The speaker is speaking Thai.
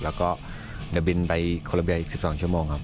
แล้วก็เดี๋ยวบินไปโครโลเบียร์อีก๑๒ชั่วโมงครับ